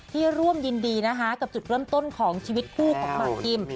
ร่วมยินดีนะคะกับจุดเริ่มต้นของชีวิตคู่ของหมากกิม